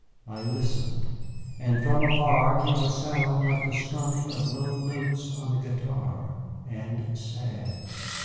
I listened, and from afar came a sound like the strumming of low notes on a guitar, and sad.